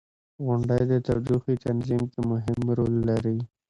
• غونډۍ د تودوخې تنظیم کې مهم رول لري.